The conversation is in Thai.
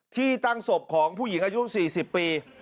ที่ตั้งศพของผู้หญิงอายุ๔๐ปี